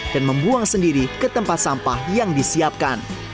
dan membuang sendiri ke tempat sampah yang disiapkan